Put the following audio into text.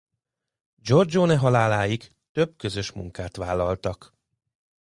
Giorgione haláláig több közös munkát vállaltak.